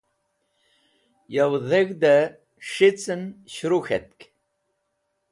Yo dheg̃hdẽ s̃hicẽn s̃hẽru k̃htk.